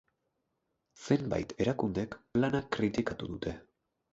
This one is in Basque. Zenbait erakundek plana kritikatu dute.